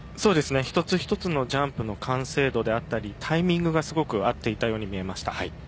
一つ一つのジャンプの完成度であったりタイミングがすごく合っていたように見えました。